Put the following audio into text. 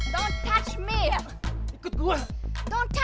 jangan nyangka aku